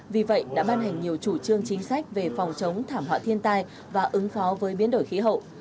vì vậy đã ban hành nhiều chủ trương chính sách về phòng chống thảm họa thiên tai và ứng phó với biến đổi khí hậu